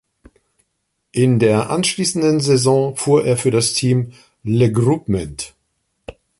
In der anschließenden Saison fuhr er für das Team "Le Groupement".